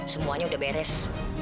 semuanya udah beres